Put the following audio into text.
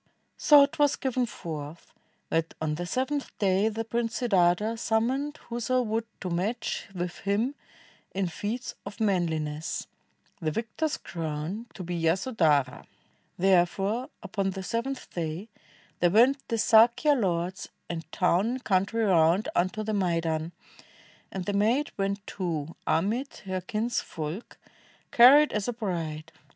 So "t was given forth that on the seventh day The Prince Siddartha summoned whoso would To match with him in feats of manliness, The \ ictor's crown to be Yasodhara. Therefore, upon the seventh day, there went The Sakya lords and town and countn, round Unto the maidan; and the maid went too Amid her kinsfolk, carried as a bride.